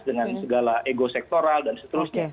dengan segala ego sektoral dan seterusnya